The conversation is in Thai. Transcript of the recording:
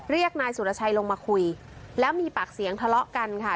เรียกนายสุรชัยลงมาคุยแล้วมีปากเสียงทะเลาะกันค่ะ